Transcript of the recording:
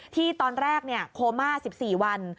ที่ตอนแรกโคม่า๑๔วัน